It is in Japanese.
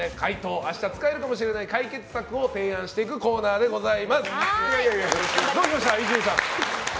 明日使えるかもしれない解決策を提案していくコーナーでございます。